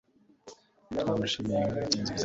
twamushimiye ko yatsinze ibizamini